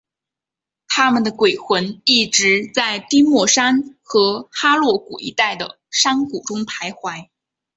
他们的鬼魂一直在丁默山和哈洛谷一带的山谷中徘徊。